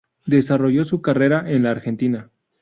Desarrolló su carrera en la Argentina.